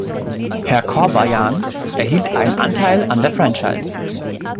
Herr Chorbajian behielt einen Anteil an der Franchise.